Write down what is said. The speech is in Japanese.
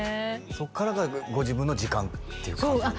そこからがご自分の時間っていう感じなんですか？